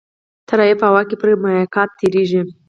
الوتکه په هوا کې پر میقات تېرېږي.